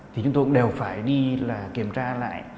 thì chúng tôi cũng đều phải đi là kiểm tra lại